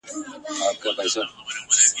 نه اختر ته مي زړه کیږي نه مي جشن پکښي خپل سو !.